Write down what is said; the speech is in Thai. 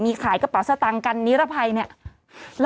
มีขายกระเป๋าสตางค์กันนิรภัยเนี่ย